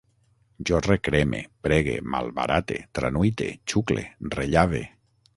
Jo recreme, pregue, malbarate, tranuite, xucle, rellave